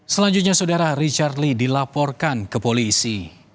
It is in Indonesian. selanjutnya saudara richard lee dilaporkan ke polisi